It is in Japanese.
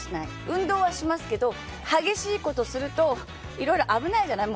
運動はしますけど激しいことするといろいろ危ないじゃない。